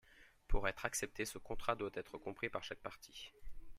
Pour être accepté, ce contrat doit être compris par chaque partie.